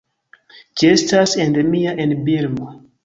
Ĝi estas endemia en Birmo.